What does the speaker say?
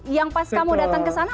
yang pas kamu datang kesana